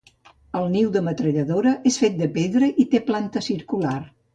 El niu de metralladora és fet de pedra i té planta circular.